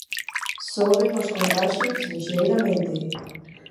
Soben os contaxios lixeiramente.